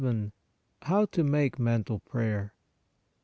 How TO MAKE MENTAL PRAYER.